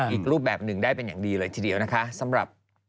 อีกรูปแบบหนึ่งได้เป็นอย่างดีเลยทีเดียวนะคะสำหรับ